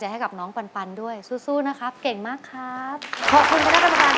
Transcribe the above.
จริงปั้นปั้นพวกเชิ่คละให้๓คนที่เต้น